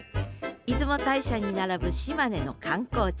出雲大社に並ぶ島根の観光地